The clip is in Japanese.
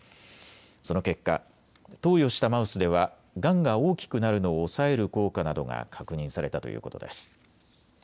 その結果、投与したマウスではがんが大きくなるのを抑える効果などが確認されたということです。